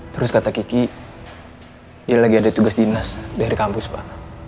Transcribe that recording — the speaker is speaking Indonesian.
terus kata kiki dia lagi ada tugas dinas dari kampus pak